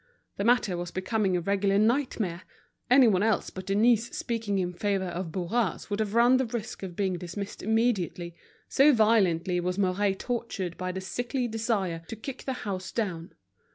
The matter was becoming a regular nightmare; anyone else but Denise speaking in favor of Bourras would have run the risk of being dismissed immediately, so violently was Mouret tortured by the sickly desire to kick the house down.